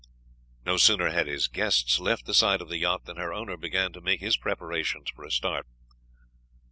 No sooner had his guests left the side of the yacht than her owner began to make his preparations for a start.